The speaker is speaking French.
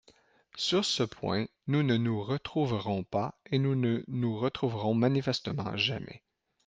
Sur ce point, nous ne nous retrouverons pas et nous ne nous retrouverons manifestement jamais.